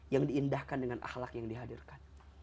yang diindahkan dengan ahlak yang dihadirkan